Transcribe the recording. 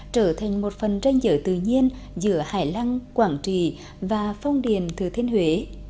trở thành một phần tranh giới tự nhiên giữa hải lăng quảng trì và phong điền thừa thiên huế